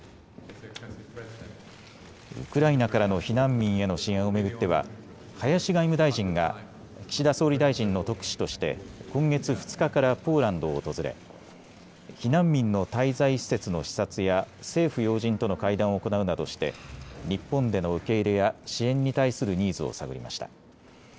ウクライナからの避難民への支援を巡っては林外務大臣が岸田総理大臣の特使として今月２日からポーランドを訪れ避難民の滞在施設の視察や政府要人との会談を行うなどして日本での受け入れや支援に対するニーズを探りました。